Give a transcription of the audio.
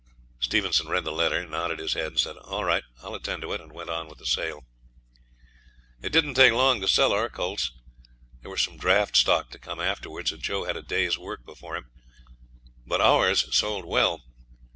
Stevenson read the letter, nodded his head, said, 'All right; I'll attend to it,' and went on with the sale. It didn't take long to sell our colts. There were some draught stock to come afterwards, and Joe had a day's work before him. But ours sold well.